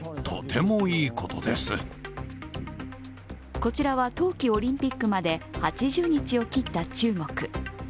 こちらは冬季オリンピックまで８０日を切った中国。